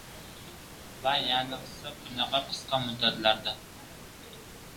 Va yaniqsa bunaqa qisqa muddatlarda.